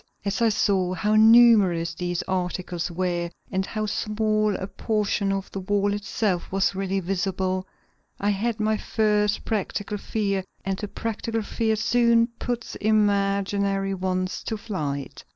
As I saw how numerous these articles were, and how small a portion of the wall itself was really visible, I had my first practical fear, and a practical fear soon puts imaginary ones to flight.